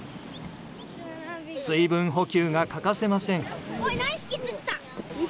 水分補給が欠かせません。